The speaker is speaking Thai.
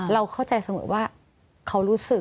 เราเข้าใจเสมอว่าเขารู้สึก